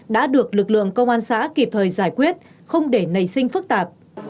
đã được lực lượng công an xã kịp thời giải quyết không để nảy sinh phức tạp